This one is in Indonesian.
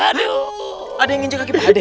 ada yang nginjek kaki pak d